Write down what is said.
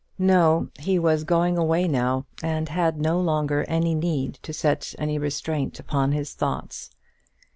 No; he was going away now, and had no longer need to set any restraint upon his thoughts.